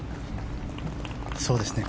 そうですね。